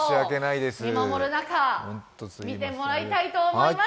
見守る中、見てもらいたいと思います。